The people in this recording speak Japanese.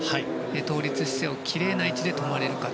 倒立姿勢をきれいな位置で止まれるか。